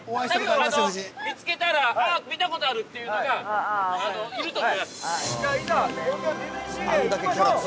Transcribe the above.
◆見つけたら、ああ見たことあるというのが、いると思います。